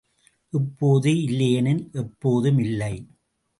இப்போது இல்லையெனின் எப்போதும் இல்லை.